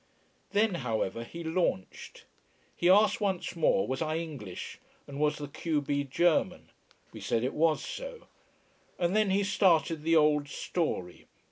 Then, however, he launched. He asked once more was I English and was the q b German. We said it was so. And then he started the old story.